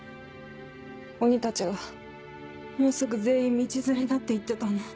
鬼たちが「もうすぐ全員道連れだ」って言ってたのを。